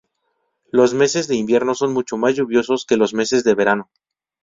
Los meses de invierno son mucho más lluviosos que los meses de verano.